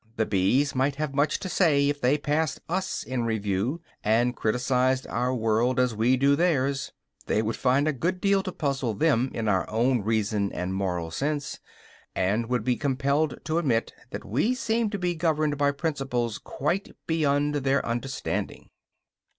The bees might have much to say if they passed us in review, and criticized our world as we do theirs; they would find a good deal to puzzle them in our own reason and moral sense, and would be compelled to admit that we seemed to be governed by principles quite beyond their understanding.